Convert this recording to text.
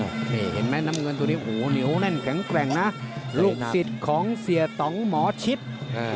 นี่เห็นไหมน้ำเงินตัวนี้หูเหนียวแน่นแข็งแกร่งนะลูกศิษย์ของเสียต่องหมอชิด